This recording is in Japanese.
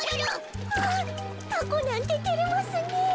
あタコなんててれますねえ。